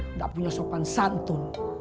nggak punya sopan santun